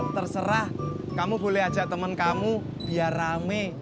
terserah kamu boleh ajak teman kamu biar rame